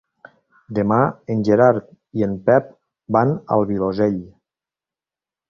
Demà en Gerard i en Pep van al Vilosell.